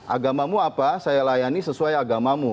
agamamu apa saya layani sesuai agamamu